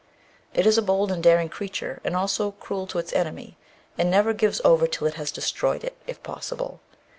"It is a bold and daring creature and also cruel to its enemy, and never gives over till it has destroyed it, if possible.